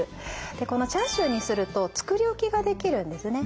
でこのチャーシューにすると作り置きができるんですね。